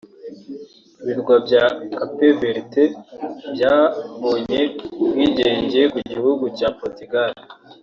Ibirwa bya Cape Verte byabonye ubwigenge ku gihugu cya Portugal